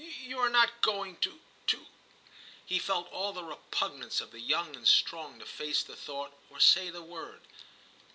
'You are not going to — to ' He felt all the repug nance of the young and strong to face the thought, or say the word.